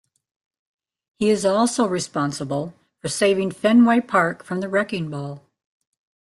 He is also responsible for saving Fenway Park from the wrecking ball.